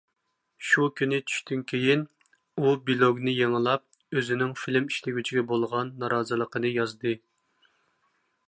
شۇ كۈنى چۈشتىن كېيىن، ئۇ بىلوگنى يېڭىلاپ ئۆزىنىڭ فىلىم ئىشلىگۈچىگە بولغان نارازىلىقىنى يازدى.